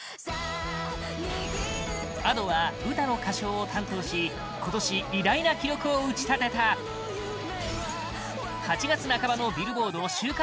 Ａｄｏはウタの歌唱を担当し今年、偉大な記録を打ち立てた８月半ばのビルボード週間